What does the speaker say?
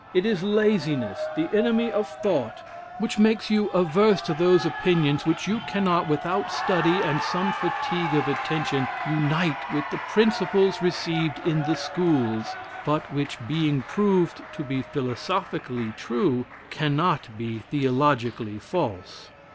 It is laziness, the enemy of thought, which makes you averse to those opinions, which you cannot, without study and some fatigue of attention, unite with the principles received in the schools; but which being proved to be philosophically true, cannot be theologically false.